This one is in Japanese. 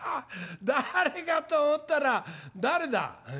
誰かと思ったら誰だ？」。